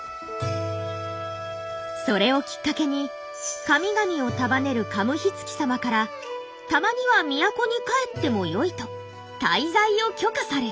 それをきっかけに神々を束ねるカムヒツキ様からたまには都に帰ってもよいと滞在を許可される。